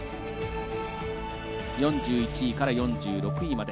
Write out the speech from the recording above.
４１位から４６位まで。